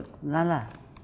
sudah masuk nyala